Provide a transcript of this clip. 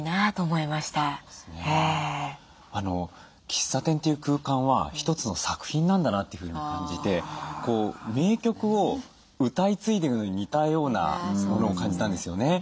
喫茶店という空間は一つの作品なんだなというふうに感じて名曲を歌い継いでいくのに似たようなものを感じたんですよね。